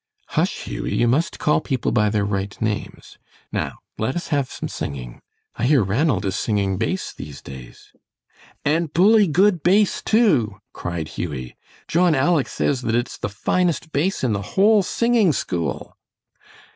"Hush, Hughie; you must call people by their right names. Now let us have some singing. I hear Ranald is singing bass these days." "And bully good bass, too," cried Hughie. "John 'Aleck' says that it's the finest bass in the whole singing school."